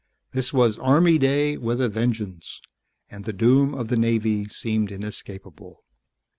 This was Army Day with a vengeance, and the doom of the Navy seemed inescapable.